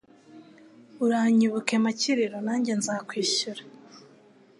Uranyibuke Makiriro nangge nzakwishyura